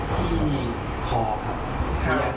ที่มีคอครับ